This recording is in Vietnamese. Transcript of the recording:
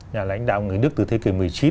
nhà lãnh đạo người nước từ thế kỷ một mươi chín